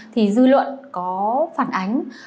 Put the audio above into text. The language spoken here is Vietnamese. thì dư luận có phản ánh